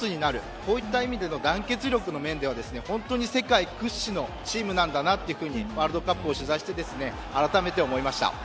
こういった意味での団結力の面では本当に世界屈指のチームなんだなとワールドカップを取材してあらためて思いました。